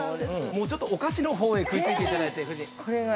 ◆もうちょっと、お菓子のほうへ食いついていただいて、夫人。